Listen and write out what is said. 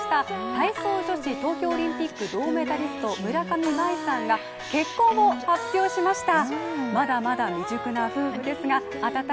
体操女子、東京オリンピック銅メダリスト村上茉愛さんが結婚を発表しました。